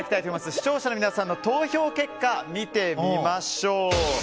視聴者の皆さんの投票結果を見てみましょう。